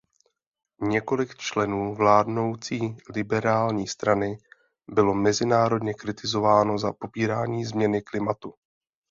Několik členů vládnoucí liberální strany bylo mezinárodně kritizováno za popírání změny klimatu.